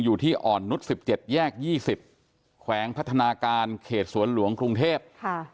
อยู่ที่อ่อนนุษย์๑๗แยก๒๐แขวงพัฒนาการเขตสวนหลวงกรุงเทพ